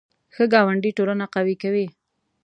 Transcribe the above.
ښه ګاونډي ټولنه قوي کوي